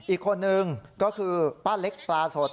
อีกคนนึงก็คือป้าเล็กปลาสด